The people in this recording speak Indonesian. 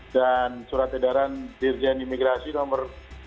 dan surat edaran dirjen imigrasi nomor sembilan belas